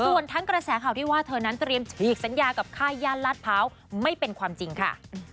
ส่วนทั้งกระแสข่าวที่ว่าเธอนั้นเตรียมฉีกสัญญากับค่ายย่านลาดพร้าวไม่เป็นความจริงค่ะ